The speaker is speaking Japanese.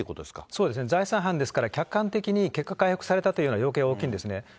そうですね、財産はんですから、客観的に結果回復されたという量刑は大きいんですね。